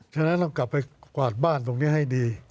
ฉะนั้นต้องกลับไปกวาดบ้านตรงนี้ให้ดี